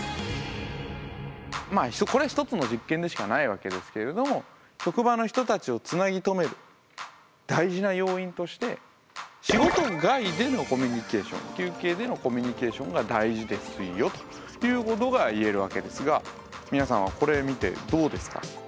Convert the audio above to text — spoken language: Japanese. これは一つの実験でしかないわけですけれども職場の人たちをつなぎとめる大事な要因として休憩でのコミュニケーションが大事ですよっていうことが言えるわけですが皆さんはこれ見てどうですか？